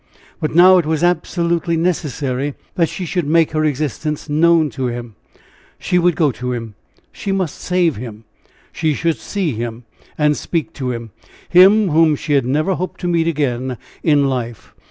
But now it was absolutely necessary that she should make her existence known to him. She would go to him! She must save him! She should see him, and speak to him him whom she had never hoped to meet again in life!